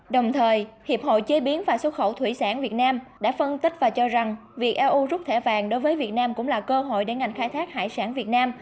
đồng thời hiệp hội chế biến và xuất khẩu thủy sản việt nam đã phân tích và cho rằng việc eu rút thẻ vàng đối với việt nam cũng là cơ hội để ngành khai thác hải sản việt nam